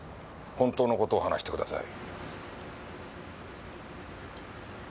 本当のことを話してください。